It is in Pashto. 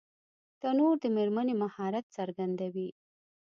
تنور د مېرمنې مهارت څرګندوي